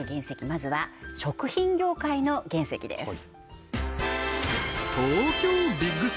まずは食品業界の原石です